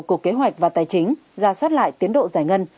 của kế hoạch và tài chính ra soát lại tiến độ giải ngân